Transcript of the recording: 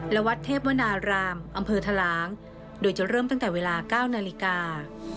และวัดเทพวนารามอำเภอทะลางโดยจะเริ่มตั้งแต่เวลา๙นาฬิกา